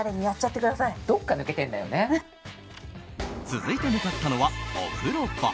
続いて向かったのはお風呂場。